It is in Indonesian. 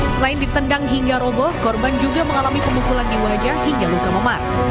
selain ditendang hingga roboh korban juga mengalami pemukulan di wajah hingga luka memar